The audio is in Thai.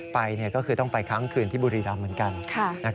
ไปก็คือต้องไปค้างคืนที่บุรีรำเหมือนกัน